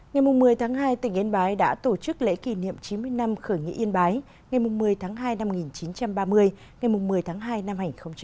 ngày một mươi tháng hai tỉnh yên bái đã tổ chức lễ kỷ niệm chín mươi năm khởi nghĩa yên bái ngày một mươi tháng hai năm một nghìn chín trăm ba mươi ngày một mươi tháng hai năm hai nghìn hai mươi